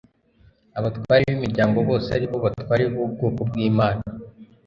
abatware b imiryango bose ari bo batware bubwoko bw 'imana